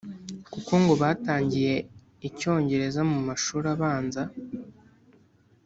kuko ngo batangiye icyongereza mu mashuri abanza